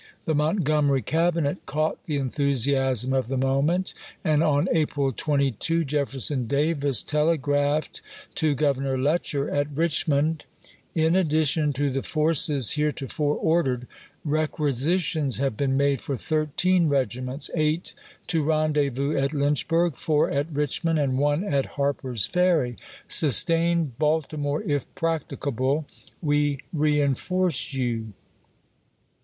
The Montgomery Cabinet caught the enthu siasm of the moment, and on April 22 Jefferson Davis telegraphed to GTovernor Letcher at Rich mond : In addition to the forces heretofore ordered, requisi tions have been made for thirteen regiments; eight to Leksher* rendezvous at Lynchburg, four at Richmond, and one at Api.22,w6i, Harper's Ferry, Sustain Baltimore, if practicable. We II., p. 773. ' reenf orce you.